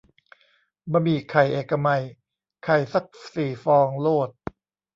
บะหมี่ไข่เอกมัย ไข่ซักสี่ฟองโลด